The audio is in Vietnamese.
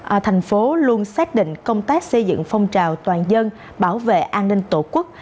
ở thành phố luôn xác định công tác xây dựng phong trào toàn dân bảo vệ an ninh tổ quốc